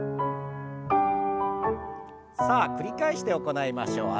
さあ繰り返して行いましょう。